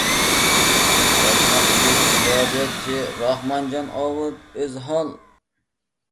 ياش ناخشىچى، ئىجادىيەتچى راخمانجان ئاۋۇت ئۆزھال.